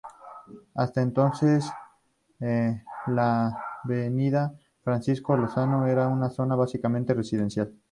Hasta entonces, la Avenida Francisco Solano era una zona básicamente residencial.